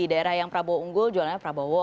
di daerah yang prabowo unggul jualannya prabowo